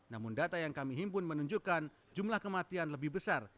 namun data yang kami himpun menunjukkan jumlah kematian lebih besar